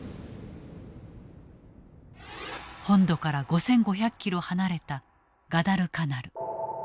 本土から５，５００キロ離れたガダルカナル。